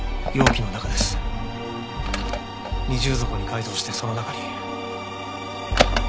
二重底に改造してその中に。